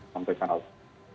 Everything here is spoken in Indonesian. sampaikan hal itu